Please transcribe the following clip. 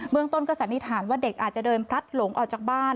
เมืองต้นก็สันนิษฐานว่าเด็กอาจจะเดินพลัดหลงออกจากบ้าน